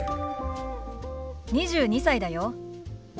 ２２歳だよ。